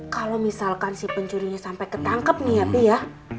kalau misalkan si pencurinya sampai ketangkep nih ya pi ya